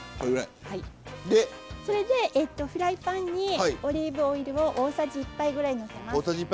それでフライパンにオリーブオイルを大さじ１杯ぐらいのせます。